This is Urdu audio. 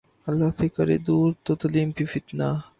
اللہ سے کرے دور ، تو تعلیم بھی فتنہ